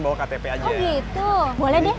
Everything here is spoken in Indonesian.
bawa ktp aja oh gitu boleh deh